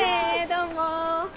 どうも。